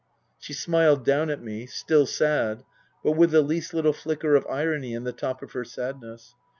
She smiled down at me, still sad, but with the least little flicker of irony on the top of her sadness.